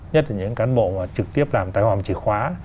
những cán bộ trực tiếp làm tài hoàm chìa khóa